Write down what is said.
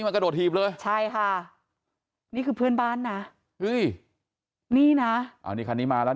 กระโดดถีบเลยใช่ค่ะนี่คือเพื่อนบ้านนะเฮ้ยนี่นะอันนี้คันนี้มาแล้ว